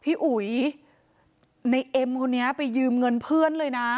อุ๋ยในเอ็มคนนี้ไปยืมเงินเพื่อนเลยนะ